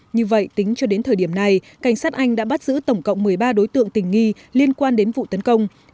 như vậy tính cho đến thời điểm này cảnh sát anh đã bắt giữ tổng cộng một mươi ba đối tượng tình nghi liên quan đến vụ tấn công